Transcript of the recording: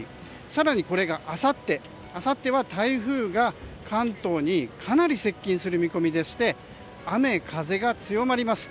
更にこれがあさっては台風が関東にかなり接近する見込みでして雨風が強まります。